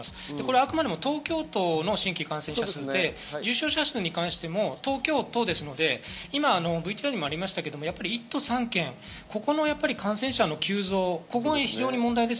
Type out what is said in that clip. あくまでも東京都の新規感染者でして、重症者数に関しても東京都ですので、今ＶＴＲにもありましたけど、１都３県、ここの感染者の急増、ここが非常に問題です。